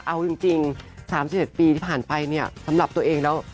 เอาจริง๓๑ปีที่ผ่านไปเนี่ยสำหรับตัวเองแล้ว